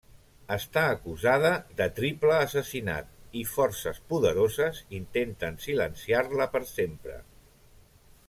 Està acusada de triple assassinat i forces poderoses intenten silenciar-la per sempre.